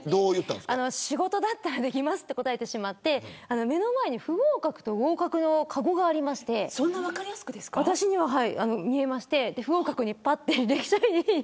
仕事だったらできますと答えてしまって目の前に合格と不合格のかごがありまして私には見えまして不合格に入れられて。